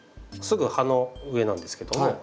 すぐ葉の上なんですけども。